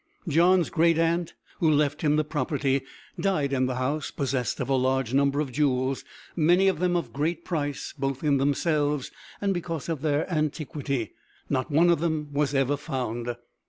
John's great aunt, who left him the property, died in the house, possessed of a large number of jewels, many of them of great price both in themselves and because of their antiquity: not one of them was ever found.